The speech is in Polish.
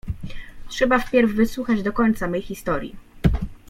Trzeba wpierw wysłuchać do końca mej historii.